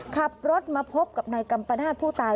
ขับรถมาพบกับนายกัมปนาศผู้ตาย